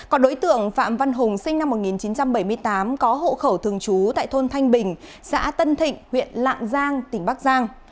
còn đối tượng phạm văn hùng sinh năm một nghìn chín trăm bảy mươi tám có hộ khẩu thường trú tại thôn thanh bình xã tân thịnh huyện lạng giang tỉnh bắc giang